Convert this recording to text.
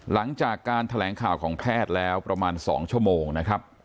หลังจากการแถลงข่าวของแพทย์แล้วประมาณ๒ชั่วโมงนะครับ